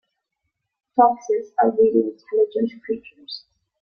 Foxes are really intelligent creatures.